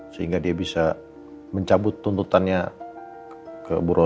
sehingga dia bisa mencabut tuntutannya ke bu roni